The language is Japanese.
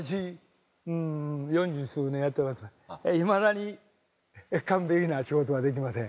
いまだに完璧な仕事はできません。